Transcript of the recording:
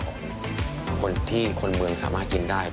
คนที่คนเมืองสามารถกินได้